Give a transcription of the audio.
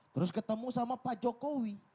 terus ketemu sama pak jokowi